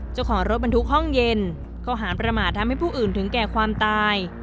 เจ้าของรถบรรทุกห้องเย็นข้อหารประมาททำให้ผู้อื่นถึงแก่ความตาย